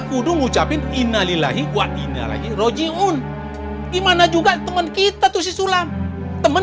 sudah mengucapkan innalillahi wa innalillahi rojiun gimana juga teman kita tuh sisulam teman